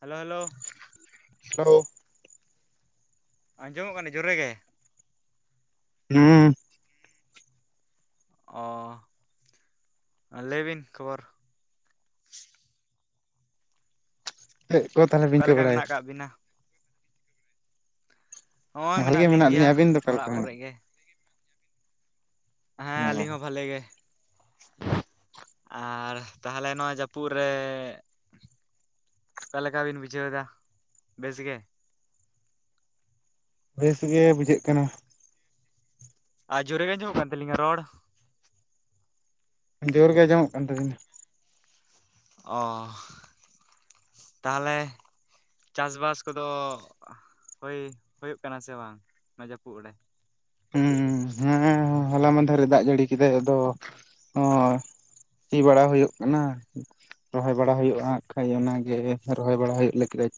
Hello hello, ᱦᱳ [inaudible] ᱟᱸᱡᱚᱢᱚᱜ ᱠᱟᱱᱟ ᱡᱳᱨᱮ ᱜᱮ᱾ ᱦᱩᱸ, ᱚ ᱞᱟᱹᱭ ᱵᱤᱱ ᱠᱷᱚᱵᱚᱨ᱾ ᱪᱮᱫ ᱠᱚ ᱛᱟᱦᱚᱞᱮ ᱵᱤᱧ ᱚᱠᱟ ᱠᱟᱹ ᱞᱮᱠᱟ ᱢᱮᱱᱟᱜ ᱵᱟᱲᱟᱭᱮᱫᱟ? ᱟᱠᱟᱫ ᱵᱤᱱᱟ ᱦᱚᱸᱜ ᱵᱷᱟᱞᱮ ᱢᱮᱱᱟᱜ ᱜᱮ ᱞᱤᱧ ᱜᱮᱭᱟ ᱞᱤᱧᱟ ᱟᱹᱵᱤᱱ ᱫᱚ ᱚᱠᱟ ᱚᱲᱟᱜ ᱞᱮᱠᱟ ᱢᱮᱱᱟᱜ ᱠᱚᱨᱮ ᱜᱮ᱾ ᱦᱮᱸ ᱵᱤᱱᱟ? ᱟᱹᱞᱤᱧ ᱦᱚᱸ ᱵᱷᱟᱞᱮ ᱜᱮ᱾ ᱟᱨ ᱛᱟᱦᱞᱮ ᱱᱚᱣᱟ ᱡᱟᱹᱯᱩᱫ ᱨᱮ, ᱚᱠᱟᱞᱠᱟᱵᱤᱱ ᱵᱤᱡᱮ ᱫᱵᱮᱥ ᱜᱮ᱾ ᱵᱮᱥ ᱜᱮ ᱵᱩᱡᱷᱟᱹᱜ ᱠᱟᱱᱟ᱾ ᱟᱨ ᱡᱳᱨ ᱜᱮ ᱟᱸᱡᱚᱢᱜ ᱠᱟᱱ ᱛᱟᱹᱞᱤᱧᱟ ᱨᱚᱲ? ᱡᱳᱨᱜ ᱜᱮ ᱟᱸᱚᱢᱚᱜ ᱠᱟᱱ ᱛᱟᱹᱵᱤᱱᱟ᱾ ᱚ ᱛᱟᱦᱚᱞᱮ, ᱪᱟᱥ ᱵᱟᱥ ᱠᱚᱫᱚ ᱦᱳᱭ ᱦᱩᱭᱩᱜ ᱠᱟᱱᱟ ᱥᱮ ᱵᱟᱝ ᱱᱚᱣᱟ ᱡᱟᱹᱯᱩᱫ ᱨᱮ᱾ ᱦᱮᱸ ᱦᱮᱸ ᱦᱚᱞᱟ ᱢᱫᱷᱟᱨᱮ ᱫᱟᱜ ᱡᱟᱹᱲᱤ ᱠᱮᱫᱟᱭ ᱟᱫᱚ ᱛᱤ ᱵᱟᱲᱟ ᱦᱩᱭᱩᱜ ᱠᱟᱱᱟ᱾ ᱨᱚᱦᱚᱭ ᱵᱟᱲᱟ ᱦᱩᱭᱩᱜᱼᱟ ᱠᱷᱟᱡ ᱚᱱᱟᱜᱮ ᱨᱚᱦᱚᱭ ᱵᱟᱲᱟ ᱦᱩᱭᱩᱜ ᱞᱟᱹᱜᱤᱫ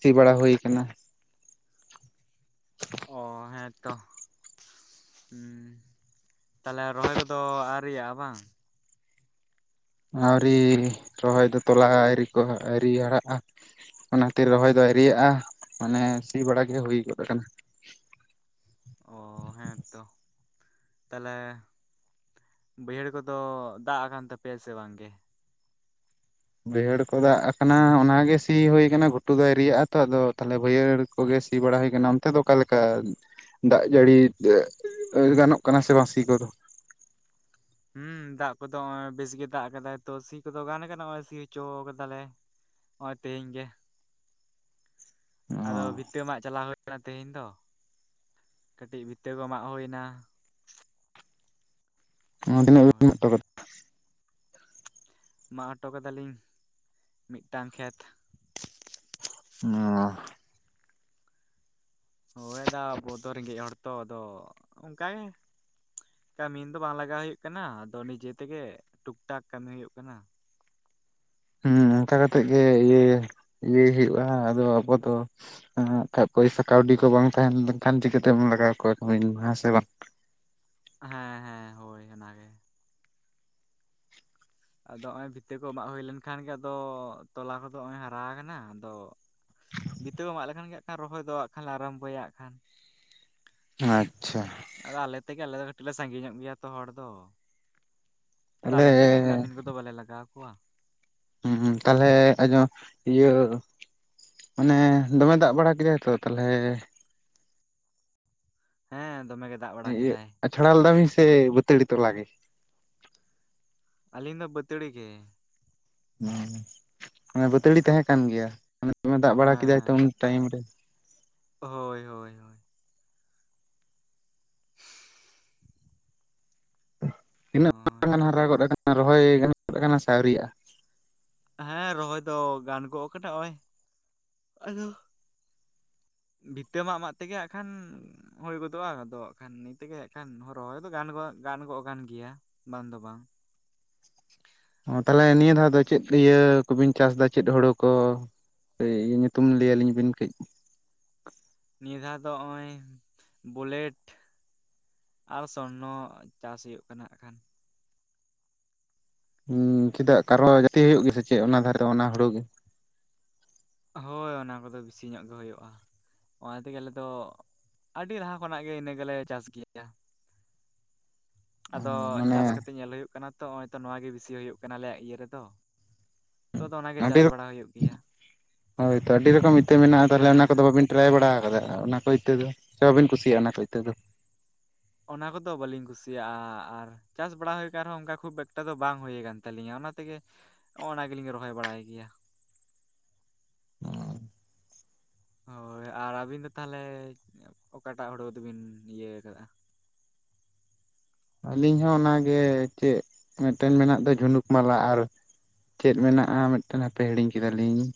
ᱥᱤ ᱵᱟᱲᱟ ᱦᱩᱭ ᱟᱠᱟᱱᱟ᱾ ᱚ ᱦᱮᱸᱛᱚ᱾ ᱦᱩ ᱛᱟᱞᱦᱮ ᱨᱚᱦᱚᱭ ᱠᱚᱫᱚ ᱟᱨᱭᱟᱜᱼᱟ ᱵᱟᱝ? ᱟᱹᱣᱨᱤ ᱨᱚᱦᱚᱭ ᱫᱚ ᱛᱚᱞᱟ ᱟᱹᱨᱤ ᱠᱚ ᱟᱹᱨᱤ ᱦᱟᱨᱟᱜᱼᱟ᱾ ᱚᱱᱟ ᱠᱷᱟᱹᱛᱤᱨ ᱨᱚᱦᱚᱭ ᱫᱚ ᱟᱣᱨᱤᱭᱟᱜᱼᱟ ᱢᱟᱱᱮ ᱥᱤ ᱵᱟᱲᱟ ᱜᱮ ᱦᱩᱭ ᱜᱚᱫ ᱟᱠᱟᱱᱟ᱾ ᱚ ᱦᱮᱸ ᱛᱚ ᱛᱟᱦᱚᱞᱮ, ᱵᱟᱹᱭᱦᱟᱹᱲ ᱠᱚᱫᱚ ᱫᱟᱜ ᱟᱠᱟᱱ ᱛᱟᱯᱮᱭᱟ ᱥᱮ ᱵᱟᱝ ᱜᱮ᱾ ᱵᱟᱹᱭᱦᱟᱹᱲ ᱠᱚ ᱫᱟᱜ ᱟᱠᱟᱱᱟ ᱚᱱᱟᱜ ᱜᱮ ᱥᱤ ᱦᱩᱭᱩ ᱟᱠᱟᱱᱟ ᱜᱷᱩᱴᱩ ᱫᱚ ᱟᱣᱨᱤᱭᱟᱜᱼ ᱟ ᱛᱚ ᱟᱫᱚ ᱛᱟᱦᱚᱞᱮ ᱵᱟᱹᱭᱦᱟᱹᱲ ᱠᱚᱜᱮ ᱥᱤ ᱵᱟᱲᱟ ᱦᱩᱭ ᱟᱠᱟᱱᱟ ᱚᱱᱛᱮ ᱫᱚ ᱚᱠᱟ ᱞᱮᱠᱟ? ᱫᱟᱜ ᱡᱟᱹᱲᱤ ᱛᱮ ᱜᱟᱱᱚᱜ ᱠᱟᱱᱟ ᱥᱮ ᱵᱟᱝ ᱥᱤ ᱠᱚᱫᱚ? ᱦᱩᱸ ᱫᱟᱜ ᱠᱚᱫᱚ ᱦᱚᱸᱜᱼᱚᱭ ᱵᱮᱥ ᱜᱮ ᱫᱟᱜ ᱟᱠᱟᱫᱟᱭ ᱛᱚ ᱥᱤ ᱠᱚᱫᱚ ᱜᱟᱱ ᱠᱟᱱᱟ ᱦᱚᱸᱜᱼᱚᱭ ᱥᱤ ᱦᱚᱪᱚ ᱠᱟᱫᱟᱞᱮ᱾ ᱦᱚᱸᱜᱼᱚᱭ ᱛᱮᱦᱮᱧ ᱜᱮ᱾ ᱟᱫᱚ ᱵᱷᱤᱛᱟᱹ ᱢᱟᱜ ᱪᱟᱞᱟᱣ ᱦᱩᱭ ᱞᱮᱱᱟ ᱛᱮᱦᱮᱧ ᱫᱚ, ᱠᱟᱹᱴᱤᱡ ᱵᱷᱤᱛᱟᱹ ᱠᱚ ᱢᱟᱜ ᱦᱩᱭ ᱮᱱᱟ᱾ ᱦᱳᱭ [inaudible] ᱢᱟᱜ ᱦᱚᱴᱚ ᱠᱟᱫᱟᱞᱤᱧ ᱢᱤᱫᱴᱟᱝ ᱠᱷᱮᱛ᱾ ᱚᱻ ᱦᱳᱭ ᱫᱟ ᱟᱵᱚ ᱫᱚ ᱨᱮᱸᱜᱮᱡ ᱦᱚᱲ ᱛᱚ ᱟᱫᱚ ᱚᱱᱠᱟ ᱜᱮ᱾ ᱠᱟᱹᱢᱤᱱ ᱫᱚ ᱵᱟᱝ ᱞᱟᱜᱟᱣ ᱦᱩᱭᱩᱜ ᱠᱟᱱᱟ, ᱟᱫᱚ ᱱᱤᱡᱮ ᱛᱮᱜᱮ ᱴᱩᱠ ᱴᱟᱠ ᱠᱟᱹᱢᱤ ᱦᱩᱭᱩᱜ ᱠᱟᱱᱟ᱾ ᱦᱩᱸ ᱚᱱᱠᱟ ᱠᱟᱛᱮᱜ ᱜᱮ ᱤᱭᱟᱹ, ᱤᱭᱟᱹᱭ ᱦᱩᱭᱩᱜᱼᱟ ᱟᱫᱚ ᱟᱵᱚ ᱫᱚ ᱦᱮᱸ ᱠᱷᱟᱡ ᱯᱚᱭᱥᱟ ᱠᱟᱹᱣᱰᱤ ᱠᱚ ᱵᱟᱝ ᱛᱟᱦᱮᱸ ᱞᱮᱱᱠᱷᱟᱱ ᱪᱤᱠᱟᱹᱛᱮᱢ ᱞᱟᱜᱟᱣ ᱠᱚᱣᱟ ᱠᱟᱢᱤᱱ ᱢᱟ, ᱦᱮᱸᱥᱮ ᱵᱟᱝ? ᱦᱮᱸ ᱦᱮᱸ ᱦᱳᱭ ᱚᱱᱟ ᱜᱮ᱾ ᱟᱫᱚ ᱦᱚᱸᱜᱼᱚᱭ ᱵᱷᱤᱛᱟᱹ ᱠᱚ ᱢᱟᱜ ᱦᱩᱭ ᱞᱮᱱᱠᱷᱟᱱ ᱜᱮ ᱟᱫᱚ ᱛᱚᱞᱟ ᱠᱚᱫᱚ ᱦᱚᱸᱜᱼᱚᱭ ᱦᱟᱨᱟ ᱟᱠᱟᱱᱟ ᱟᱫᱚ ᱵᱤᱛᱟᱹ ᱠᱚ ᱢᱟᱜ ᱞᱮᱠᱷᱟᱱ ᱜᱮ ᱦᱟᱸᱜ ᱠᱷᱟᱱ ᱨᱚᱦᱚᱭ ᱫᱚ ᱦᱟᱸᱜ ᱠᱷᱟᱱ ᱞᱮ ᱟᱨᱟᱢᱵᱚᱭᱟ ᱠᱷᱟᱱ᱾ ᱟᱪᱪᱷᱟ᱾ ᱟᱫᱚ ᱟᱞᱮ ᱛᱮᱜᱮ ᱟᱞᱮ ᱫᱚ ᱠᱟᱹᱴᱤᱡ ᱞᱮ ᱥᱟᱺᱜᱤ ᱧᱚᱜ ᱜᱮᱭᱟ ᱛᱚ ᱦᱚᱲ ᱫᱚ᱾ ᱟᱫᱚ ᱛᱟᱦᱚᱞᱮ ᱟᱞᱮ ᱛᱮᱜᱮ ᱠᱟᱹᱢᱤᱱ ᱠᱚᱫᱚ ᱵᱟᱞᱮ ᱞᱟᱜᱟᱣ ᱠᱚᱣᱟ᱾ ᱦᱩᱸ ᱛᱟᱞᱦᱮ ᱟᱡᱚᱢ ᱤᱭᱟᱹ ᱢᱟᱱᱮ ᱫᱚᱢᱮ ᱫᱟᱜ ᱵᱟᱲᱟ ᱠᱮᱫᱟᱭ ᱛᱚ ᱛᱟᱞᱦᱮ ᱦᱮᱸ ᱫᱚᱢᱮ ᱜᱮ ᱫᱟᱜ ᱵᱟᱲᱟ ᱤᱭᱟᱹ ᱠᱮᱫᱟᱭ᱾ ᱟᱪᱷᱲᱟ ᱞᱮᱫᱟ ᱵᱤᱱ ᱥᱮ ᱵᱟᱹᱛᱟᱹᱤᱲ ᱛᱚᱞᱟ ᱜᱮ? ᱟᱞᱤᱧ ᱫᱚ ᱵᱟᱹᱛᱟᱹᱲᱤ ᱜᱮ᱾ ᱦᱮᱸ, ᱢᱟᱱᱮ ᱵᱟᱹᱛᱟᱹᱲᱤ ᱛᱟᱦᱮᱸ ᱠᱟᱱ ᱜᱮᱭᱟ [inaudible] ᱫᱟᱜ ᱵᱟᱲᱟ ᱦᱮᱸ ᱠᱮᱫᱟᱭ ᱛᱚ ᱦᱮᱸ ᱩᱱ ᱴᱟᱭᱤᱢ ᱨᱮ᱾ ᱦᱳᱭ ᱦᱳᱭ ᱦᱳᱭ᱾ [inaudible] ᱳᱭ [inaudible] ᱦᱟᱨᱟ ᱜᱚᱫ ᱠᱟᱱᱟ ᱨᱚᱦᱚᱭ ᱜᱟᱱ ᱜᱚᱫ ᱠᱟᱱᱟ ᱥᱮ ᱟᱣᱨᱤᱭᱟᱜᱼᱟ? ᱦᱮᱸ ᱨᱚᱦᱚᱭ ᱫᱚ ᱜᱟᱱ ᱜᱚᱜ ᱠᱟᱱᱟ ᱦᱚᱸᱜ-ᱚᱭ ᱟᱫᱚ ᱵᱷᱤᱛᱟᱹ ᱢᱟᱜ ᱢᱟᱜ ᱛᱮᱜᱮ ᱦᱟᱸᱜ ᱠᱷᱟᱱ ᱦᱩᱭ ᱜᱚᱫᱚᱜᱼᱟ ᱟᱫᱚ ᱦᱟᱸᱜ ᱠᱷᱟᱱ ᱱᱤᱭᱟᱹ ᱛᱮᱜᱮ ᱦᱟᱸᱜ ᱠᱷᱟᱱ ᱨᱚᱦᱚᱭ ᱫᱚ ᱜᱟᱱ ᱜᱚᱫ ᱜᱟᱱ ᱜᱚᱫ ᱠᱟᱱ ᱜᱮᱭᱟ᱾ ᱵᱟᱝ ᱫᱚ ᱵᱟᱝ᱾ ᱚ ᱛᱟᱞᱦᱮ ᱤᱭᱟᱹ ᱫᱷᱟᱣ ᱫᱚ ᱪᱮᱫ ᱤᱭᱟᱹ ᱠᱚᱵᱤᱱ ᱪᱟᱥᱫᱟ ᱪᱮᱫ ᱦᱩᱲᱩ ᱠᱚ? ᱥᱮ ᱤᱭᱟᱹ ᱧᱩᱛᱩᱢ ᱞᱟᱹᱭᱟ ᱟᱞᱤᱧ ᱵᱤᱱ ᱠᱟᱹᱡ᱾ ᱱᱤᱭᱟᱹ ᱫᱷᱟᱣ ᱫᱚ ᱦᱚᱸᱜᱼᱚᱭ ᱵᱩᱞᱮᱴ, ᱟᱨ ᱥᱚᱨᱱᱚ ᱪᱟᱥ ᱦᱩᱭᱩᱜ ᱠᱟᱱᱟ ᱦᱟᱸᱜ ᱠᱷᱟᱱ᱾ ᱦᱩᱸ ᱪᱮᱫᱟᱜ [inaudible] ᱥᱮ ᱪᱮᱜ ᱚᱱᱟ ᱫᱷᱟᱨᱮ ᱫᱮ ᱚᱱᱟ ᱦᱩᱲᱩ ᱜᱮ? ᱦᱳᱭ ᱚᱱᱟ ᱠᱚᱫᱚ ᱵᱤᱥᱤ ᱧᱚᱜ ᱜᱮ ᱦᱩᱭᱩᱜ-ᱟ᱾ ᱚᱱᱟ ᱛᱮᱜᱮ ᱟᱞᱮ ᱫᱚ ᱟᱰᱤ ᱞᱟᱦᱟ ᱠᱷᱚᱱᱟᱜ ᱜᱮ ᱤᱱᱟᱹ ᱜᱮᱞᱮ ᱪᱟᱥ ᱜᱤᱭᱟ᱾ ᱟᱫᱚ ᱪᱟᱥ ᱢᱟᱱᱮ ᱠᱟᱛᱮ ᱧᱮᱞ ᱦᱩᱭᱩᱜ ᱠᱟᱱᱟ ᱛᱚ ᱦᱚᱸᱜ-ᱚᱭ ᱛᱚ ᱱᱚᱣᱟ ᱜᱮ ᱵᱤᱥᱤ ᱦᱩᱭᱩᱜ ᱠᱟᱱᱟ ᱟᱞᱮᱭᱟᱜ ᱤᱭᱟᱹ ᱨᱮᱫᱚ᱾ ᱛᱚ ᱦᱩᱸ ᱟᱫᱚ ᱚᱱᱟᱜᱮ ᱟᱰᱤ ᱪᱟᱥ ᱵᱟᱲᱟ ᱦᱩᱭᱩᱜ ᱜᱮᱭᱟ [inaudible] ᱦᱳᱭ ᱛᱚ ᱟᱹᱰᱤ ᱨᱚᱠᱚᱢ ᱤᱛᱟᱹ ᱢᱮᱱᱟᱜ-ᱟ ᱛᱟᱞᱦᱮ ᱦᱮᱸ ᱚᱱᱟ ᱦᱮᱸ ᱠᱚᱫᱚ ᱵᱟᱵᱤᱱ ᱴᱨᱟᱭ ᱵᱟᱲᱟ ᱟᱠᱟᱫᱟ ᱚᱱᱟ ᱠᱚ ᱤᱛᱟᱹ ᱫᱚ, ᱥᱮ ᱵᱟᱵᱤᱱ ᱠᱩᱥᱤᱭᱟᱜ-ᱟ ᱚᱱᱟ ᱤᱛᱟᱹ ᱫᱚ? ᱚᱱᱟ ᱠᱚᱫᱚ ᱵᱟᱹᱞᱤᱧ ᱠᱩᱥᱤᱭᱟᱜ-ᱟ ᱟᱨ ᱪᱟᱥ ᱵᱟᱲᱟ ᱦᱩᱭ ᱠᱟᱱ ᱨᱮᱦᱚᱸ ᱚᱱᱠᱟ ᱠᱷᱩᱵ ᱮᱠᱴᱟ ᱫᱚ ᱵᱟᱝ ᱦᱩᱭ ᱠᱟᱱ ᱛᱟᱹᱞᱤᱧᱟ ᱚᱱᱟ ᱛᱮᱜᱮ ᱚᱱᱟ ᱜᱮᱞᱤᱧ ᱨᱚᱦᱚᱭ ᱵᱟᱲᱟᱭ ᱜᱤᱭᱟ᱾ ᱚᱸ᱾ ᱦᱳᱭ ᱟᱨ ᱟᱹᱵᱤᱱ ᱫᱚ ᱛᱟᱦᱮᱞᱮ ᱚᱠᱟ ᱴᱟᱜ ᱦᱳᱲᱳ ᱫᱚᱵᱤᱱ ᱤᱭᱟᱹ ᱟᱠᱟᱫ-ᱟ? ᱟᱹᱞᱤᱧ ᱦᱚᱸ ᱚᱱᱟ ᱜᱮ ᱪᱮᱜ ᱢᱤᱫᱴᱟᱹᱱ ᱢᱮᱱᱟᱜ ᱫᱚ ᱡᱷᱩᱱᱩᱠ ᱢᱟᱞᱟ ᱟᱨᱼᱼ ᱪᱮᱫ ᱢᱮᱱᱟᱜ-ᱟ ᱢᱤᱫᱴᱟᱹᱱ ᱦᱟᱯᱮ ᱦᱤᱲᱤᱧ ᱠᱮᱫᱟ ᱞᱤᱧ,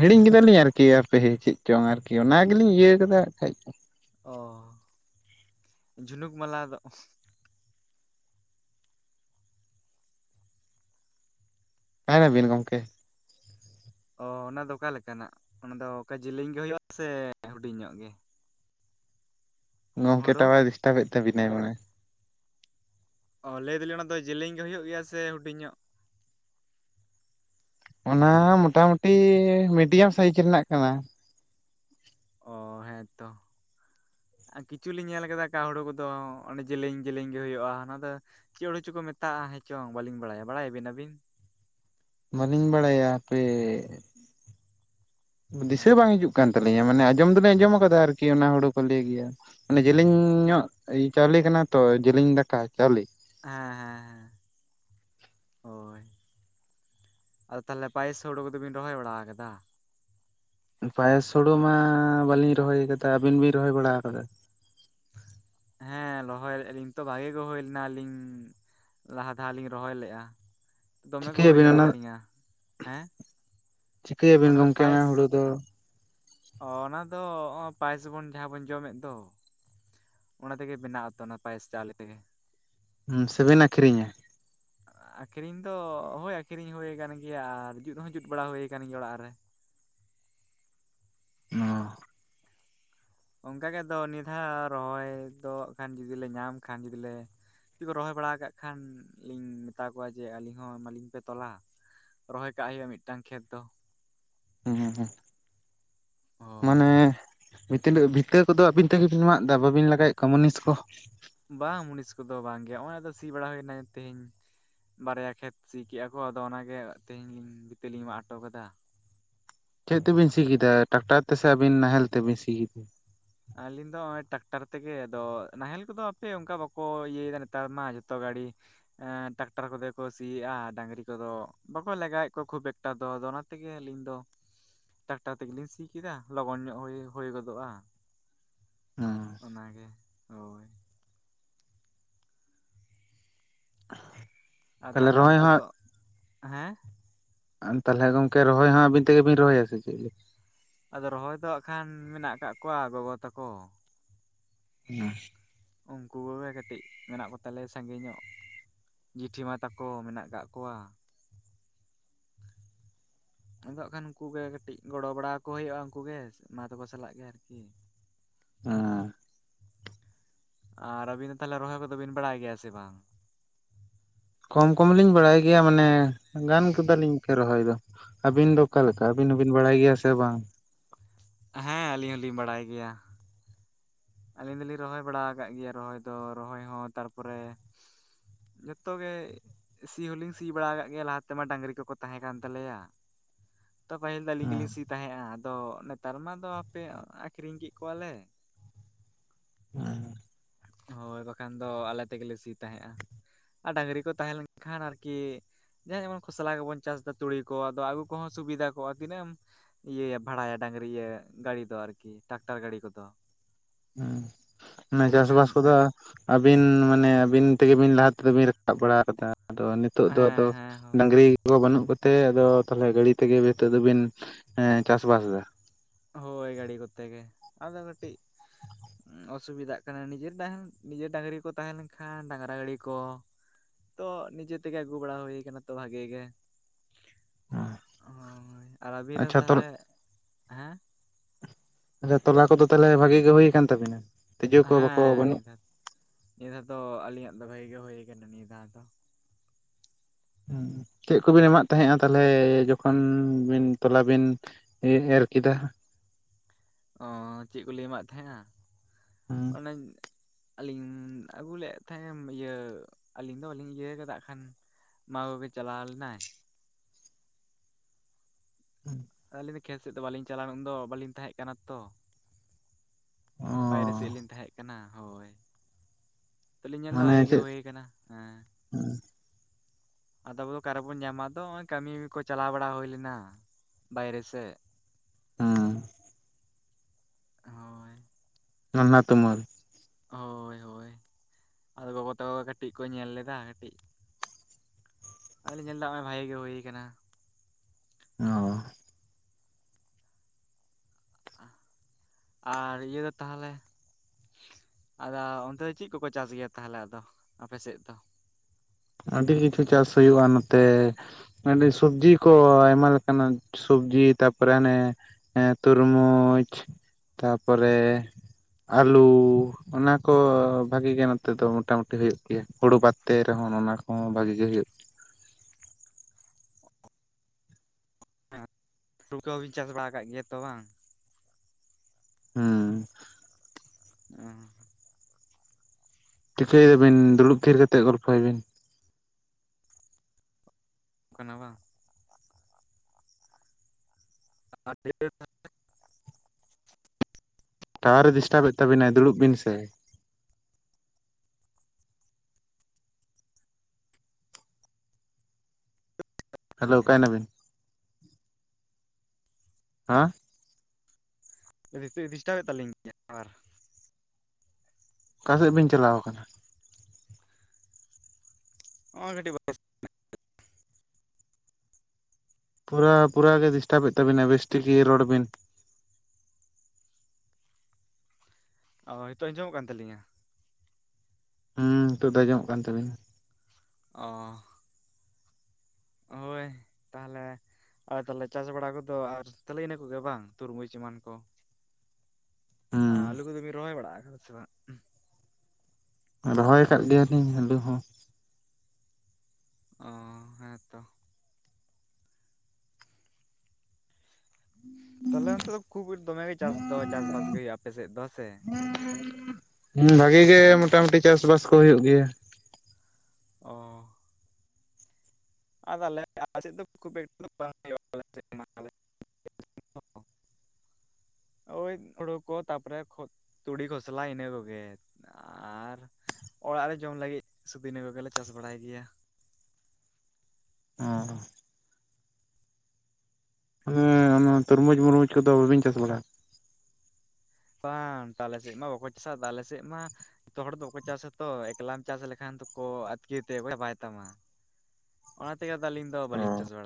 ᱦᱤᱲᱤᱧ ᱠᱮᱫᱟ ᱞᱤᱧ ᱟᱨ ᱠᱤ ᱟᱯᱮ ᱦᱮ ᱪᱮᱜ ᱪᱚᱝ ᱟᱨ ᱠᱤ ᱚᱱᱟ ᱜᱮᱞᱤᱧ ᱤᱭᱟᱹ ᱟᱠᱟᱫᱟ ᱟᱠᱷᱟᱡᱼᱼ ᱚᱻᱦᱚ, ᱡᱷᱩᱱᱩᱠ ᱢᱟᱞᱟ ᱫᱚ ᱚᱦ ᱛᱟᱦᱮᱸ ᱱᱟᱹᱵᱤᱱ ᱜᱚᱝᱠᱮ? ᱚᱻ ᱚᱱᱟ ᱫᱚ ᱚᱠᱟ ᱞᱮᱠᱟ ᱱᱟᱜ, ᱚᱱᱟ ᱫᱚ ᱚᱠᱟ ᱡᱤᱞᱤᱧ ᱜᱮ ᱦᱩᱭᱩᱜ-ᱟ, ᱥᱮ ᱦᱩᱰᱤᱧ ᱧᱚᱜ ᱜᱮ? ᱜᱚᱝᱠᱮ ᱦᱩᱲᱩ ᱴᱟᱣᱟᱭ ᱰᱤᱥᱴᱟᱵᱮᱫ ᱛᱟᱹᱵᱤᱱᱟᱭ ᱢᱟᱱᱮ᱾ ᱚ ᱞᱟᱹᱭ ᱮᱫᱟ ᱞᱤᱧ ᱚᱱᱟ ᱫᱚ ᱡᱮᱞᱤᱧ ᱜᱮ ᱦᱩᱭᱩᱜ ᱜᱮᱭᱟ ᱥᱮ ᱦᱩᱰᱤᱧ ᱧᱚᱜ? ᱚᱱᱟ ᱢᱚᱴᱟᱼᱢᱩᱴᱤ ᱢᱤᱰᱤᱭᱟᱢ ᱥᱟᱹᱭᱤᱡ ᱨᱮᱱᱟᱜ ᱠᱟᱱᱟ᱾ ᱚᱻ ᱦᱮᱸ ᱛᱚ᱾ ᱟᱸ ᱠᱤᱪᱩ ᱞᱤᱧ ᱧᱮᱞ ᱟᱠᱟᱫᱟ ᱮᱴᱟᱜ ᱦᱩᱲᱩ ᱠᱳᱫᱚ ᱚᱱᱮ ᱡᱮᱞᱤᱧ ᱡᱮᱞᱤᱧ ᱜᱮ ᱦᱩᱭᱩᱜ-ᱟ, ᱟᱱᱟ ᱫᱚ ᱪᱮᱜ ᱦᱩᱲᱩ ᱪᱚ ᱠᱚ ᱢᱮᱛᱟᱜ-ᱟ ᱦᱮᱸ ᱪᱚᱝ ᱵᱟᱹᱞᱤᱧ ᱵᱟᱲᱟᱭᱟ, ᱵᱟᱲᱟᱭᱟ ᱵᱤᱱ ᱟᱹᱵᱤᱱ? ᱢᱟᱹᱞᱤᱧ ᱵᱟᱲᱟᱭᱟ ᱦᱟᱯᱮᱻᱜ ᱚ ᱫᱤᱥᱟᱹ ᱵᱟᱝ ᱦᱤᱡᱩᱜᱼᱼ ᱠᱟᱱ ᱛᱟᱹᱞᱤᱧᱟ, ᱢᱟᱱᱮ ᱟᱸᱡᱚᱢ ᱫᱚᱞᱤᱧ ᱟᱸᱡᱚᱢ ᱟᱠᱟᱫᱟ ᱟᱨ ᱠᱤ ᱚᱱᱟ ᱦᱩᱲᱩ ᱠᱚ ᱞᱟᱹᱭ ᱜᱮᱭᱟ᱾ ᱚᱱᱮ ᱡᱮᱞᱤᱧ ᱧᱚᱜ ᱟᱹᱭ ᱪᱟᱣᱞᱮ ‌ᱠᱟᱱᱟ ᱛᱚ ᱡᱮᱞᱤᱧ ᱫᱟᱠᱟ ᱪᱟᱣᱞᱤ᱾ ᱦᱮᱸ ᱦᱮᱸ ᱦᱮᱸ᱾ ᱦᱳᱭ, ᱟᱫᱚ ᱛᱟᱦᱮᱞᱮ ᱯᱟᱭᱮᱥ ᱦᱩᱲᱩ ᱠᱚ ᱫᱚ ᱵᱤᱱ ᱨᱚᱦᱚᱭ ᱵᱟᱲᱟ ᱦᱟᱠᱟᱫᱟ? ᱩᱸ ᱯᱟᱭᱮᱥ ᱦᱩᱲᱩ ᱢᱟ ᱵᱟᱹᱞᱤᱧ ᱨᱚᱦᱚᱭ ᱟᱠᱟᱫᱟ, ᱟᱹᱵᱤᱱ ᱵᱤᱱ ᱨᱚᱦᱚᱭ ᱵᱟᱲᱟ ᱟᱠᱟᱫᱟ? ᱦᱮᱸ ᱞᱚᱦᱚᱭ ᱞᱮᱜ-ᱟ ᱞᱤᱧ, ᱛᱚ ᱵᱷᱟᱜᱮ‌ ᱜᱮ ᱦᱩᱭ ᱞᱮᱱᱟ ᱟᱹᱞᱤᱧᱼᱼ ᱞᱟᱦᱟ ᱫᱷᱟᱣ ‌ᱞᱤᱧ ᱨᱚᱦᱚᱭ ᱞᱮᱜ-ᱟ, ᱫᱚᱢᱮ ᱜᱮ ᱦᱩᱭ ᱪᱤᱠᱟᱹᱭᱟᱵᱤᱱ ᱞᱮᱱ ᱚᱱᱟ ᱛᱟᱹᱞᱤᱧᱟ, ᱦᱮᱸ ᱪᱤᱠᱟᱹᱭᱟᱵᱤᱱ ᱚᱱᱟ ᱫᱚ ᱜᱚᱝᱠᱮ ᱯᱟᱭᱮᱥ ᱦᱩᱲᱩ ᱫᱚ ᱚᱸᱜᱼᱼ ᱚ ᱚᱱᱟ ᱫᱚ ᱚᱸ ᱯᱟᱭᱮᱥ ᱵᱚᱱ ᱡᱟᱦᱟᱸ ᱵᱚᱱ ᱡᱚᱢᱮᱫ ᱫᱚ᱾ ᱚᱱᱟ ᱛᱮᱜᱮ ᱵᱮᱱᱟᱜ-ᱟ ᱛᱚ ᱚᱱᱟ ᱯᱟᱭᱮᱥ ᱪᱟᱣᱞᱮ ᱛᱮᱜᱮ᱾ ᱦᱩᱸ ᱥᱮ ᱵᱤᱱ ᱟᱹᱠᱷᱨᱤᱧᱟ? ᱟᱸ ᱟᱠᱨᱤᱧ ᱫᱚ ᱦᱳᱭ ᱟᱠᱷᱨᱤᱧ ᱦᱩᱭ ᱠᱟᱱ ᱜᱮᱭᱟ ᱟᱨ ᱡᱩᱫ ᱦᱚᱸ ᱡᱩᱫ ᱵᱟᱲᱟ ᱦᱩᱭ ᱠᱟᱱ ᱜᱮᱭᱟ ᱚᱲᱟᱜ ᱨᱮ᱾ ᱱᱚ ᱚᱸᱠᱟ ᱜᱮ ᱫᱚ ᱱᱤᱭᱟ. ᱫᱷᱟᱣ ᱨᱚᱦᱚᱭ ᱫᱚ ᱮᱸᱠᱷᱟᱱ ᱡᱩᱫᱤ ᱞᱮ ᱧᱟᱢ ᱠᱷᱟᱱ ᱡᱩᱫᱤ ᱞᱮ ᱡᱩᱫᱤ ᱠᱚ ᱨᱚᱦᱚᱭ ᱵᱟᱲᱟ ᱟᱠᱟᱫ ᱠᱷᱟᱱ ᱞᱤᱧ ᱢᱮᱛᱟ ᱠᱚᱣᱟ ᱡᱮ ᱟᱹᱞᱤᱧ ᱦᱚᱸ ᱮᱢᱟᱞᱤᱧ ᱯᱮ ᱛᱚᱞᱟ, ᱨᱚᱦᱚᱭ ᱠᱟᱜ ᱦᱩᱭᱩᱜ-ᱟ ᱢᱤᱫᱴᱟᱝ ᱠᱷᱮᱛ ᱫᱚ ᱾ ᱦᱩᱸ ᱦᱩᱸ ᱦᱩᱸ, ᱦᱳᱭ ᱢᱟᱱᱮᱻᱦᱼᱼ ᱢᱤᱛᱟᱹᱱᱟᱹᱜ ᱵᱷᱤᱛᱟᱹᱨ ᱠᱚᱫᱚ ᱟᱹᱵᱤᱱ ᱛᱮᱜᱮ ᱵᱤᱱ ᱢᱟᱜ ᱮᱫᱟ ᱵᱟᱹᱵᱤᱱ ᱞᱟᱜᱟᱣᱮᱜ ᱠᱚᱣᱟ ᱢᱩᱱᱤᱥ ᱠᱚ? ᱵᱟᱝ ᱢᱩᱱᱤᱥ ᱠᱚᱫᱚ ᱵᱟᱝ ᱜᱮ, ᱦᱚᱸᱜ-ᱚᱭ ᱟᱫᱚ ᱥᱤ ᱵᱟᱲᱟ ᱦᱩᱭ ᱮᱱᱟ ᱮᱸ ᱛᱮᱦᱮᱧ ᱾ ᱵᱟᱨᱭᱟ ᱠᱷᱮᱛ ᱥᱤ ᱠᱮᱜ-ᱟ ᱠᱚ ᱟᱫᱚ ᱚᱱᱟ ᱜᱮ ᱛᱮᱦᱤᱧ ᱞᱤᱧ ᱡᱮᱛᱮ ᱞᱤᱧ ᱢᱟᱜ ᱦᱚᱴᱚ ᱠᱟᱫᱟᱜᱼᱟ᱾ ᱪᱮᱫ ᱛᱮᱵᱤᱱ ᱥᱤ ᱠᱮᱫᱟ ᱴᱟᱠᱴᱟᱨ ᱛᱮᱥᱮ ᱟᱹᱵᱤᱱ ᱱᱟᱦᱮᱞ ᱛᱮᱵᱤᱱ ᱥᱤ ᱠᱮᱫᱟ? ᱟᱹᱞᱤᱧ ᱫᱚ ᱚᱸᱼᱚᱭ ᱴᱟᱠᱴᱟᱨ ᱛᱮᱜᱮ ᱟᱫᱚ ᱱᱟᱦᱮᱞ ᱠᱚᱫᱚ ᱦᱟᱯᱮ ᱚᱸᱠᱟ ᱵᱟᱠᱚ ᱤᱭᱟᱹᱭᱮᱫᱟ ᱱᱮᱛᱟᱨ ᱢᱟ ᱡᱚᱛᱚ ᱜᱟᱹᱲᱤ᱾ ᱮᱸᱻ ᱴᱟᱠᱴᱟᱨ ᱠᱚᱛᱮ ᱠᱚ ᱥᱤ ᱭᱮᱜᱼᱟ, ᱰᱟᱺᱜᱽᱨᱤ ᱠᱚᱫᱚ ᱵᱟᱠᱚ ᱞᱟᱜᱟᱭᱮᱜ ᱠᱚᱣᱟ ᱠᱷᱩᱵ ᱮᱠᱴᱟ ᱫᱚ ᱟᱫᱚ ᱚᱱᱟ ᱛᱮᱜᱮ ᱟᱹᱞᱤᱧ ᱫᱚ ᱴᱟᱠᱴᱟᱨ ᱛᱮᱜᱮ ᱞᱤᱧ ᱥᱤ ᱠᱮᱫᱟ ᱞᱚᱜᱚᱱ ᱧᱚᱜ ᱦᱩᱭ ᱦᱩᱭ ᱜᱚᱫᱚᱜᱼᱟ ᱾ ᱦᱩᱸ᱾ ᱚᱱᱟ ᱜᱮ, ᱦᱳᱭ ᱾ [inaudible] ᱟ ᱛᱟᱦᱚᱞᱮ ᱨᱚᱦᱚᱭ ᱚᱱᱛᱮ ᱫᱚᱜ ᱦᱮᱸ? ᱟᱸ ᱛᱟᱦᱮᱞᱮ ᱜᱚᱝᱠᱮ ᱨᱚᱦᱚᱭ ᱦᱚᱸ ᱟᱹᱵᱤᱱ ᱛᱮᱜᱮ ᱵᱤᱱ ᱨᱚᱦᱚᱭᱟ ᱥᱮ ᱪᱮᱫ ᱞᱮᱠ? ᱟᱫᱚ ᱨᱚᱦᱚᱭ ᱫᱚ ᱦᱟᱸᱜ ᱠᱷᱟᱱ ᱢᱮᱱᱟᱜ ᱠᱟᱜ ᱠᱚᱣᱟ ᱜᱚᱜᱚ ᱛᱟᱠᱚ ᱾ ᱩᱸᱦ, ᱩᱝᱠᱩ ᱠᱚᱜᱮ ᱠᱟᱹᱴᱤᱡ ᱢᱮᱱᱟᱜ ᱠᱚ ᱛᱟᱞᱮᱭᱟ ᱥᱟᱺᱜᱤᱧ ᱧᱚᱜ ᱾ ᱡᱤᱴᱷᱤ ᱢᱟ ᱛᱟᱠᱚ ᱢᱮᱱᱟᱜ ᱠᱟᱜ ᱠᱚᱣᱟ, ᱟᱫᱚ ᱦᱟᱸᱜ ᱠᱷᱟᱱ ᱩᱝᱠᱩ ᱜᱮ ᱠᱟᱹᱴᱤᱡ ᱜᱚᱲᱚ ᱵᱟᱲᱟ ᱟᱠᱚ ᱦᱩᱭᱩᱜᱼᱟ ᱩᱝᱠᱩ ᱜᱮ ᱢᱟ ᱛᱟᱠᱚ ᱥᱟᱞᱟᱜ ᱜᱮ ᱟᱨᱠᱤ ᱾ ᱦᱮᱸ᱾ ᱟᱨ ᱟᱵᱤᱱ ᱫᱚ ᱛᱟᱦᱚᱞᱮ ᱨᱚᱦᱚᱭ ᱠᱚᱫᱚ ᱵᱤᱱ ᱵᱟᱲᱟᱭ ᱜᱮᱭᱟ ᱥᱮ ᱵᱟᱝ? ᱠᱚᱢ ᱠᱚᱢ ᱞᱤᱧ ᱵᱟᱲᱟᱭ ᱜᱮᱭᱟ ᱢᱟᱱᱮ ᱜᱟᱱ ᱜᱚᱫᱟᱞᱤᱧ [inaudible] ᱨᱚᱦᱚᱭ ᱫᱚ ᱾ ᱟᱹᱵᱤᱱ ᱫᱚ ᱚᱠᱟ ᱞᱮᱠᱟ, ᱟᱹᱵᱤᱱ ᱦᱚᱸ ᱵᱤᱱ ᱵᱟᱲᱟᱭ ᱜᱮᱭᱟ ᱥᱮ ᱵᱟᱝ? ᱦᱮᱸ ᱟᱹᱞᱤᱧ ᱦᱚᱞᱤᱧ ᱵᱟᱲᱟᱭ ᱜᱮᱭᱟ ᱾ ᱟᱹᱞᱤᱧ ᱫᱚᱞᱤᱧ ᱨᱚᱦᱚᱭ ᱵᱟᱲᱟ ᱠᱟᱜ ᱜᱮᱭᱟ ᱨᱚᱦᱚᱭ ᱫᱚ ᱨᱚᱦᱚᱭ ᱦᱚᱸ ᱛᱟᱨᱯᱚᱨᱮᱼᱼ ᱡᱷᱚᱛᱚ ᱜᱮ, ᱥᱤ ᱦᱚᱞᱤᱧ ᱥᱤ ᱵᱟᱲᱟ ᱠᱟᱜ ᱜᱮᱭᱟ ᱞᱟᱦᱟ ᱛᱮᱢᱟ ᱰᱟᱝᱨᱤ ᱠᱚᱠᱚ ᱛᱟᱦᱮᱸ ᱠᱟᱱ ᱛᱟᱞᱮᱭᱟ ᱾ [unintelligible] ᱛᱚ ᱯᱟᱹᱦᱤᱞ ᱫᱚ ᱟᱹᱞᱤᱧ ᱦᱮᱸ ᱜᱮᱞᱤᱧ ᱥᱤ ᱛᱟᱦᱮᱸᱜᱼᱟ ᱟᱫᱚ ᱱᱮᱛᱟᱨ ᱢᱟ ᱫᱚ ᱦᱟᱯᱮ ᱟᱹᱠᱷᱨᱤᱧ ᱠᱮᱜ ᱠᱚᱣᱟᱞᱮ ᱾ [unintelligible] ᱦᱳᱭ ᱵᱟᱠᱷᱟᱱ ᱫᱚ ᱟᱞᱮ ᱛᱮᱜᱮᱞᱮ ᱥᱤ ᱛᱟᱦᱮᱸᱫᱼᱟ, ᱟᱨ ᱰᱟᱝᱨᱤ ᱠᱚ ᱛᱟᱦᱮᱸ ᱞᱮᱱᱠᱷᱟᱱ ᱟᱨᱠᱤ ᱡᱟᱦᱟᱸᱭ ᱡᱮᱢᱚᱱ ᱠᱷᱚᱥᱞᱟ ᱜᱮᱵᱚᱱ ᱪᱟᱥ ᱮᱫᱟ ᱛᱩᱲᱤ ᱠᱚ ᱟᱫᱚ ᱟᱹᱜᱩ ᱠᱚᱦᱚᱸ ᱥᱩᱵᱤᱫᱷᱟ ᱠᱚᱜᱼᱟ ᱛᱤᱱᱟᱹᱜ ᱮᱢ ᱤᱭᱟᱹᱭᱟ ᱵᱷᱟᱲᱟᱭᱟ ᱰᱟᱝᱨᱤ ᱤᱭᱟᱹ ᱜᱟᱹᱲᱤ ᱫᱚ ᱟᱨᱠᱤ ᱴᱟᱠᱴᱟᱨ ᱜᱟᱹᱲᱤ ᱠᱚᱫᱚ ᱾ ᱦᱩᱸ, ᱢᱟᱱᱮ ᱪᱟᱥ ᱠᱷᱟᱱ ᱵᱟᱥ ᱠᱚᱫᱚ ᱟᱹᱵᱤᱱ ᱢᱟᱱᱮ ᱟᱹᱵᱤᱱ ᱛᱮᱜᱮ ᱵᱤᱱ ᱞᱟᱦᱟ ᱛᱮᱫᱚ ᱵᱤᱱ ᱨᱟᱠᱟᱵ ᱵᱟᱲᱟ ᱟᱠᱟᱫᱟ ᱟᱫᱚ ᱱᱤᱛᱚᱜ ᱫᱚ ᱟᱫᱚ ᱦᱮᱸ ᱦᱮᱸ ᱰᱟᱹᱝᱨᱤ ᱠᱚ ᱵᱟᱹᱱᱩᱜ ᱠᱚᱛᱮ ᱟᱫᱚ ᱛᱟᱦᱚᱞᱮ ᱜᱟᱲᱤ ᱛᱮᱜᱮ [inaudible] ᱱᱤᱛᱚᱜ ᱫᱚᱵᱤᱱ ᱮᱸᱻ ᱪᱟᱥ ᱵᱟᱥ ᱮᱫᱟ? ᱦᱳᱭ ᱜᱟᱹᱲᱤ ᱠᱚᱛᱮ ᱜᱮ, ᱟᱫᱚ ᱠᱟᱹᱴᱤᱡᱼᱼ ᱚᱥᱩᱵᱤᱫᱷᱟᱜ ᱠᱟᱱᱟ ᱱᱤᱡᱮᱨ ᱰᱟ, ᱱᱤᱡᱮᱨ ᱰᱟᱝᱨᱤ ᱠᱚ ᱛᱟᱦᱮᱸ ᱞᱮᱱᱠᱷᱟᱱ ᱰᱟᱝᱨᱟ ᱜᱟᱹᱲᱤ ᱠᱚᱼᱼ ᱛᱚ ᱱᱤᱡᱮ ᱛᱮᱜᱮ ᱟᱹᱜᱩ ᱵᱟᱲᱟ ᱦᱳᱭ ᱠᱟᱱᱟ ᱛᱚ ᱵᱷᱟᱜᱮ ᱜᱮ ᱾ ᱦᱳᱭ ᱟᱨ ᱟᱵᱤᱱ ᱨᱮᱱ ᱟᱪᱪᱷᱟ ᱛᱚ ᱛᱟᱦᱚᱞᱮ, ᱦᱮᱸ? ᱟᱫᱚ ᱛᱚᱞᱟ ᱠᱚᱫᱚ ᱛᱟᱦᱚᱞᱮ ᱵᱷᱟᱜᱤ ᱜᱮ ᱦᱩᱭ ᱠᱟᱱ ᱛᱟᱵᱤᱱᱟ? ᱛᱤᱡᱩ ᱠᱚ ᱵᱟᱠᱚ ᱦᱮᱸ ᱵᱟᱹᱱᱩᱜ ᱱᱤᱭᱟᱹ ᱫᱷᱟᱣ ᱱᱤᱭᱟᱹ ᱫᱷᱟᱣ ᱫᱚ ᱟᱹᱞᱤᱧᱟᱜ ᱫᱚ ᱵᱷᱟᱜᱤ ᱜᱮ ᱦᱩᱭ ᱠᱟᱱᱟ ᱱᱤᱭᱟᱹ ᱫᱷᱟᱣ ᱫᱚ ᱾ ᱦᱩᱸ ᱦᱩᱸ, ᱪᱮᱫ ᱠᱚᱵᱤᱱ ᱮᱢᱟᱜ ᱛᱟᱦᱮᱸᱜ-ᱟ ᱛᱟᱦᱚᱞᱮ ᱡᱚᱠᱷᱚᱱ ᱵᱤᱱ ᱛᱚᱞᱟ ᱵᱤᱱ ᱦᱮᱸ ᱮᱨ ᱠᱮᱫᱟ ᱾ ᱚᱸᱻ ᱪᱮᱫ ᱠᱚᱞᱤᱧ ᱮᱢᱟᱫ ᱛᱟᱦᱮᱸᱜ-ᱟ, ᱚᱱᱮᱧ ᱟᱹᱞᱤᱧ ᱟᱹᱜᱩ ᱞᱮᱜ ᱛᱟᱦᱮᱸᱜ-ᱮᱢ ᱤᱭᱟᱹ, ᱟᱹᱞᱤᱧ ᱫᱚ ᱵᱟᱞᱤᱧ ᱤᱭᱟᱹ ᱠᱟᱫᱟ ᱟᱜ-ᱠᱷᱟᱱ, ᱢᱟ ᱜᱳ ᱜᱮ ᱪᱟᱞᱟᱣ ᱞᱮᱱᱟᱭ ᱾ ᱦᱩᱸ᱾ ᱟᱹᱞᱤᱧ ᱫᱚ ᱠᱷᱮᱛ ᱥᱮᱫ ᱫᱚ ᱵᱟᱞᱤᱧ ᱪᱟᱞᱟᱣ ᱞᱮᱱ ᱩᱱ ᱫᱚ ᱵᱟᱹᱞᱤᱧ ᱛᱟᱦᱮᱸᱜ ᱠᱟᱱᱟ ᱛᱚ ᱾ [unintelligible] ᱵᱟᱭᱨᱮ ᱥᱮᱫ ᱞᱤᱧ ᱛᱟᱦᱮᱸᱜ ᱠᱟᱱᱟ ᱦᱳᱭ, ᱛᱚᱞᱤᱧ ᱧᱮᱞ ᱮᱫᱟ ᱵᱷᱟᱜᱤ ᱜᱮ ᱦᱩᱭ ᱠᱟᱱᱟ ᱦᱮᱸ᱾ ᱦᱩᱸ᱾ ᱟᱫᱚ ᱟᱵᱚ ᱫᱚ ᱚᱠᱟ ᱨᱮ ᱵᱚᱱ ᱧᱟᱢᱟ ᱟᱫᱚ ᱱᱚᱜ-ᱚᱭ ᱠᱟᱹᱢᱤ ᱠᱚ ᱪᱟᱞᱟᱣ ᱵᱟᱲᱟ ᱦᱩᱭ ᱞᱮᱱᱟ ᱵᱟᱭᱨᱮ ᱥᱮᱜ᱾ ᱦᱩᱸ᱾ ᱦᱳᱭ᱾ [unintelligible] ᱛᱩᱢᱟᱹᱞ᱾ ᱦᱳᱭ ᱦᱳᱭ, ᱟᱫᱚ ᱜᱚᱜᱚ ᱛᱟᱠᱚ ᱠᱟᱹᱴᱤᱡ ᱠᱚ ᱧᱮᱞ ᱞᱮᱫᱟ ᱠᱟᱹᱴᱤᱡ᱾ ᱟᱫᱚ ᱞᱤᱧ ᱧᱮᱞᱫᱟ ᱦᱚᱸᱜ-ᱚᱭ ᱵᱷᱟᱜᱮ ᱜᱮ ᱦᱩᱭ ᱠᱟᱱᱟ᱾ ᱚ᱾ ᱟᱨ ᱤᱭᱟᱹ ᱫᱚ ᱛᱟᱦᱚᱞᱮ ᱟᱫᱚ ᱚᱱᱛᱮ ᱫᱚ ᱪᱮᱫ ᱠᱚᱠᱚ ᱪᱟᱥ ᱜᱮᱭᱟ ᱛᱟᱦᱚᱞᱮ ᱟᱫᱚ, ᱟᱯᱮ ᱥᱮᱫ ᱫᱚ? ᱟᱹᱰᱤ ᱠᱤᱪᱷᱩ ᱪᱟᱥ ᱦᱳᱭᱳᱜᱼᱟ ᱱᱚᱛᱮ, ᱥᱚᱵᱡᱤ ᱠᱚ ᱟᱭᱢᱟ ᱞᱮᱠᱟᱱᱟᱜ ᱥᱚᱵᱡᱤ ᱛᱟᱯᱚᱨᱮ ᱦᱟᱱᱮ ᱦᱮ ᱛᱩᱨᱢᱩᱡᱽ ᱛᱟᱯᱚᱨᱮ ᱟᱞᱩ ᱚᱱᱟ ᱠᱚ ᱵᱷᱟᱜᱤ ᱜᱮ ᱱᱚᱛᱮ ᱫᱚ ᱢᱚᱴᱟᱢᱩᱴᱤ ᱦᱩᱭᱩᱜ ᱜᱮᱭᱟ ᱦᱩᱲᱩ ᱵᱟᱫᱛᱮ ᱨᱮᱦᱚᱸ ᱚᱱᱟ ᱾ ᱦᱚᱸ ᱵᱷᱟᱜᱮ ᱜᱮ ᱦᱩᱭᱩᱜ ᱾ ᱦᱮᱸ ᱴᱷᱩᱣᱠᱟᱹ ᱦᱚᱸᱵᱤᱱ ᱪᱟᱥ ᱵᱟᱲᱟ ᱟᱠᱟᱫ ᱜᱮᱭᱟ ᱛᱚ ᱵᱟᱝ? ᱦᱩᱸ, [inaudible] ᱴᱷᱤᱠᱟᱹᱭ ᱫᱟᱵᱤᱱ ᱫᱩᱲᱩᱵ ᱛᱷᱤᱨ ᱠᱟᱛᱮᱫ ᱜᱚᱞᱯᱷᱚᱭ ᱵᱤᱱ ᱾ ᱠᱟᱱᱟ ᱵᱟᱣ ᱾ [inaudible] ᱴᱟᱣᱟᱨᱮ ᱰᱤᱥᱴᱟᱵ ᱮ ᱛᱟᱵᱤᱱᱟᱭ ᱫᱩᱲᱩᱵ ᱵᱤᱱ ᱥᱮ ᱾ ᱦᱮᱞᱳ ᱚᱠᱟ ᱱᱟᱵᱤᱱ? ᱦᱟᱸ [unintelligible] ᱰᱤᱥᱴᱟᱵᱮᱫ ᱛᱟᱹᱞᱤᱧ ᱜᱮᱭᱟ ᱟᱵᱟᱨ ᱾ ᱚᱠᱟ ᱥᱮᱫ ᱵᱮᱱ ᱪᱟᱞᱟᱣ ᱠᱟᱱᱟ ᱾ ᱱᱚᱜᱚᱭ ᱠᱟᱹᱴᱤᱡ ᱵᱟ ᱯᱩᱨᱟᱹ ᱯᱩᱨᱟ ᱜᱮ ᱰᱤᱥᱴᱟᱵᱮᱫ ᱛᱟᱵᱤᱱᱟ ᱵᱮᱥ ᱴᱷᱤᱠ ᱜᱮ ᱨᱚᱲ ᱵᱤᱱ ᱾ ᱚ ᱦᱤᱴᱚᱜ ᱟᱸᱚᱢᱚᱜ ᱠᱟᱱ ᱛᱟᱹᱞᱤᱧᱟ? ᱦᱩᱸ ᱱᱤᱛᱚᱜ ᱫᱚ ᱟᱸᱚᱢᱚᱜ ᱠᱟᱱ ᱛᱟᱵᱤᱱᱟ ᱾ ᱚ ᱦᱳᱭ ᱛᱟᱦᱚᱞᱮ ᱟᱨ ᱛᱟᱦᱞᱮ ᱪᱟᱥ ᱵᱟᱲᱟ ᱠᱚᱫᱚ ᱟᱨ ᱛᱟᱦᱞᱮ ᱤᱱᱟᱹ ᱠᱚᱜᱮ ᱵᱟᱝ ᱛᱩᱨᱢᱩᱪ ᱮᱢᱟᱱ ᱠᱚ ᱾ ᱦᱩᱸ ᱟᱨ ᱟᱞᱩ ᱠᱚ ᱫᱚ ᱵᱤᱱ ᱨᱚᱦᱚᱭ ᱵᱟᱲᱟᱜᱼᱟ ᱥᱮ ᱵᱟᱝ? ᱨᱚᱦᱚᱭ ᱟᱠᱟᱫ ᱜᱮᱭᱟᱞᱤᱧ ᱟᱞᱤᱧ ᱦᱚᱸ ᱾ ᱚ ᱦᱮᱸᱛᱚ ᱾ ᱛᱟᱦᱚᱞᱮ ᱚᱱᱛᱮ ᱫᱚ ᱠᱷᱩᱵ ᱫᱚᱢᱮ ᱜᱮ ᱪᱟᱥ ᱫᱚ ᱪᱟᱥᱵᱟᱥ ᱜᱮ ᱦᱩᱭᱩᱜᱼᱟ ᱟᱯᱮᱥᱮᱫ ᱫᱚ ᱦᱮᱸ ᱥᱮ ᱾ ᱦᱮᱸ ᱵᱷᱟᱜᱤ ᱜᱮ ᱢᱚᱴᱟ ᱢᱩᱴᱤ ᱪᱟᱥ ᱵᱟᱥ ᱠᱚ ᱦᱩᱭᱩᱜ ᱜᱮᱭᱟ ᱾ ᱚ ᱟᱫᱚ ᱟᱞᱮ ᱟᱞ ᱥᱮᱫ ᱫᱚ ᱠᱷᱩᱵ ᱮᱠᱴᱟ ᱫᱚ ᱵᱟᱝ ᱦᱩᱭᱩᱜ ᱟ [inaudible] ᱳᱭ ᱦᱩᱲᱩ ᱠᱚ ᱛᱟᱨᱯᱚᱨᱮ ᱛᱩᱲᱤ ᱠᱷᱚᱥᱞᱟ ᱤᱱᱟᱹ ᱠᱚᱜᱮ ᱾ ᱟᱨ ᱚᱲᱟᱜ ᱨᱮ ᱡᱚᱢ ᱞᱟᱹᱜᱤᱫ ᱥᱩᱛᱱᱟᱹ ᱠᱚᱜᱮᱞᱮ ᱪᱟᱥ ᱵᱟᱲᱟᱭ ᱜᱮᱭᱟ ᱾ ᱚ ᱛᱚᱨᱢᱩᱡᱽ ᱢᱩᱨᱢᱩᱡᱽ ᱠᱚᱫᱚ ᱵᱟᱵᱤᱱ ᱪᱟᱥ ᱵᱟᱲᱟᱜᱼᱟ? ᱵᱟᱝ ᱟᱞᱮ ᱥᱮᱫ ᱢᱟ ᱵᱟᱠᱚ ᱪᱟᱥᱟᱜᱫᱟ ᱟᱞᱮ ᱥᱮᱫ ᱢᱟ ᱾ ᱡᱚᱛᱚ ᱦᱚᱲ ᱫᱚ ᱵᱟᱠᱚ ᱪᱟᱥᱟᱛᱚ ᱮᱠᱞᱟᱢ ᱪᱟᱥ ᱞᱮᱠᱷᱟᱱ ᱫᱚ ᱟᱛᱠᱤᱨᱛᱮ ᱵᱟᱭ ᱛᱟᱢᱟ ᱾ ᱚᱱᱟᱛᱮᱜᱮᱫᱚ ᱟᱹᱞᱤᱧ ᱫᱚ ᱚ ᱵᱟᱞᱤᱧ ᱪᱟᱥ ᱵᱟᱲᱟᱭᱟ